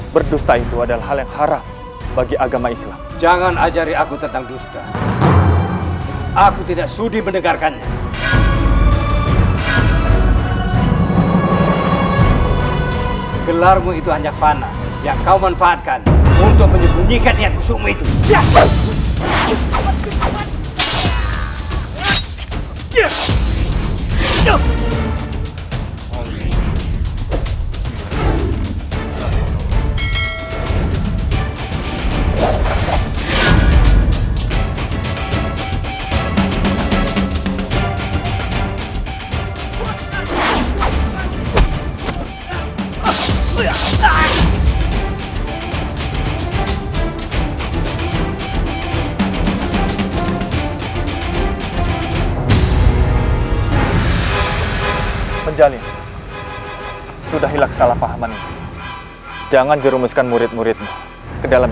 berdusta itu adalah hal yang haram